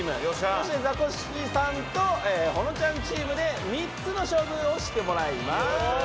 そしてザコシさんと誉ちゃんチームで３つの勝負をしてもらいます。